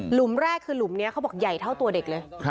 มแรกคือหลุมนี้เขาบอกใหญ่เท่าตัวเด็กเลย